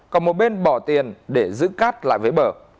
còn một bên bỏ tiền để giữ cát lại với bờ